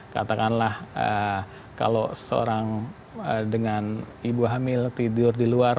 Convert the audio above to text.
katakanlah kalau seorang dengan ibu hamil tidur di luar